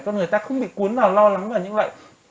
con người ta không bị cuốn vào lo lắng là những loại